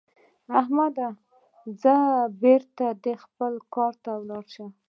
احمده؛ ځه بېرته دې خپل کار ته ولاړ شه.